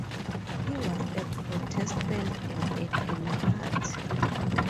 He was a Protestant and a Democrat.